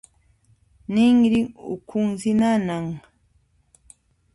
Ninrin ukhunsi nanan.